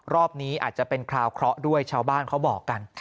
รอบนี้อาจจะเป็นคราวเคราะห์ด้วยชาวบ้านเขาบอกกัน